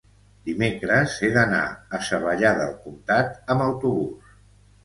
dimecres he d'anar a Savallà del Comtat amb autobús.